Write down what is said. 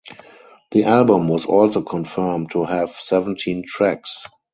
The album was also confirmed to have seventeen tracks.